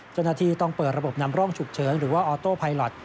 เจ้าหน้าที่ต้องเปิดระบบนำร่องฉุกเฉินหรือว่าออโต้ไพลอท